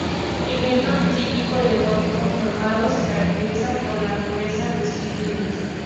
Ejemplo típico del gótico normando se caracteriza por la pureza de sus líneas.